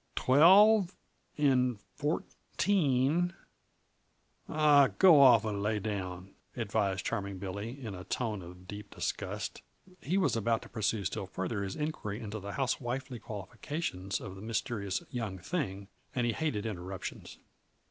Twelve 'n' fourteen " "Aw, go off and lay down!" advised Charming Billy, in a tone of deep disgust. He was about to pursue still farther his inquiry into the housewifely qualifications of the mysterious "young thing," and he hated interruptions.